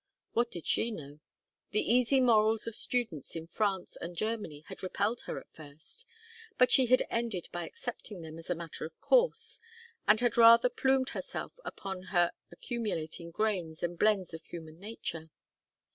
What did she know? The easy morals of students in France and Germany had repelled her at first, but she had ended by accepting them as a matter of course, and had rather plumed herself upon her accumulating grains and blends of human nature.